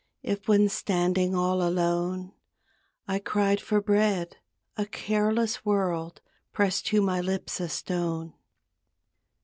If when standing all alone I cried for bread a careless world Pressed to my lips a stone.